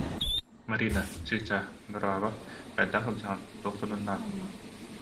Марина, чыычаах, дорообо, хайдах сылдьаҕын, туох сонуннааххын